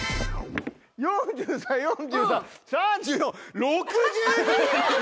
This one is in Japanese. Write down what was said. ４３４３３４６２